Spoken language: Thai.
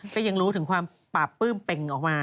ก็ยังรู้ถึงความปราบปื้มเป็งออกมา